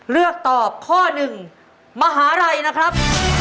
เลือกตอบข้อหนึ่งมหาลัยนะครับ